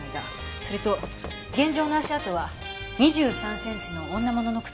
それと現場の足跡は２３センチの女物の靴だったそうです。